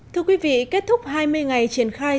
thưa quý vị kết thúc hai mươi ngày triển khai